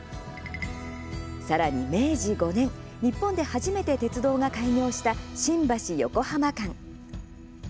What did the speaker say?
さらに、明治５年日本で初めて鉄道が開業した新橋、横浜間。